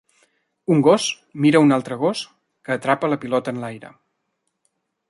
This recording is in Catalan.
Un gos mira un altre gos que atrapa la pilota en l'aire.